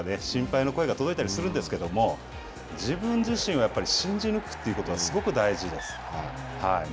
いろんなアドバイスが来たりとか、心配の声が届いたりするんですけれども、自分自身をやっぱり信じ抜くというのがすごく大事です。